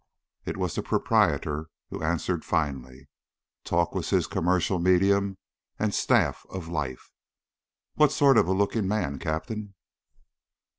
It was the proprietor who answered finally. Talk was his commercial medium and staff of life. "What sort of a looking man, captain?"